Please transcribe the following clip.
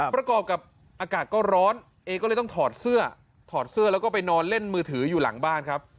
ประกอบกับอากาศก็ร้อนเอก็เลยต้องถอดเสื้อถอดเสื้อแล้วก็ไปนอนเล่นมือถืออยู่หลังบ้านครับ